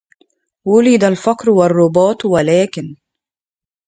ولد الفقر والرباط ولكن